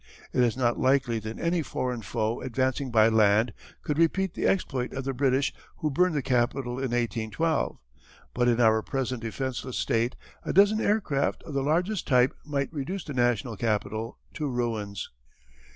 It is not likely that any foreign foe advancing by land could repeat the exploit of the British who burned the capitol in 1812. But in our present defenceless state a dozen aircraft of the largest type might reduce the national capitol to ruins.